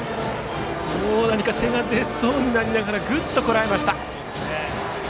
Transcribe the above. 何か手が出そうになりながらぐっとこらえました。